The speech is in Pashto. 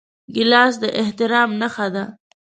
ګیلاس د احترام نښه ده.